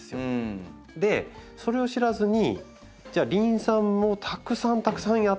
それを知らずにじゃあリン酸をたくさんたくさんやってると。